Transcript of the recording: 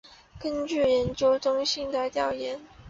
根据研究中心的调研